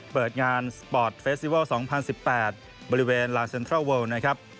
เปิดงานสปอร์ตเฟสติวัล๒๐๑๘บริเวณลาเซ็นทรัลเวิลนะครับ